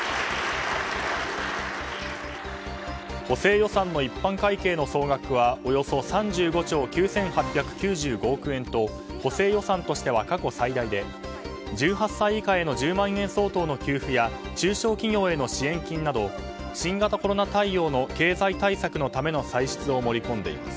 補正予算の一般会計の総額はおよそ３５兆９８９５億円と補正予算としては過去最大で１８歳以下への１０万円相当の給付や中小企業への支援金など、新型コロナ対応の経済対策のための歳出を盛り込んでいます。